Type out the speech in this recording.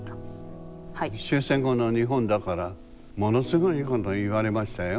終戦後の日本だからものすごいこと言われましたよ。